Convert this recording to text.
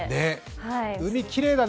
海きれいだね。